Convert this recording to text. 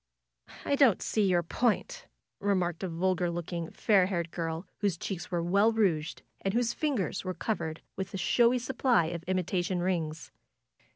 "I don't see your point," remarked a vulgar looking, fair haired girl, whose cheeks were well rouged, and whose fingers were covered with a showy supply of imi tation rings.